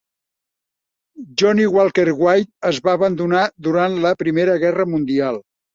"Johnnie Walker White" es va abandonar durant la primera guerra mundial.